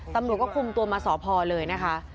ตำรวจก็คุมตัวมาสพเลยนะคะ